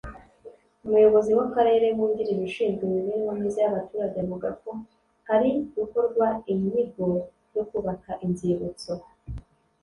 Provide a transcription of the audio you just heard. Umuyobozi w’Akarere wungirije ushinzwe imibereho myiza y’abaturage ; avuga ko hari gukorwa inyigo yo kubaka inzibutso